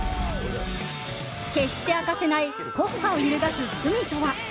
決して明かせない国家を揺るがす罪とは？